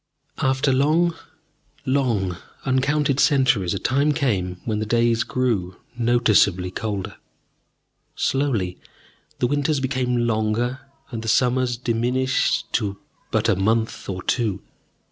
After long, long uncounted centuries, a time came when the days grew noticeably colder. Slowly the winters became longer, and the summers diminished to but a month or two.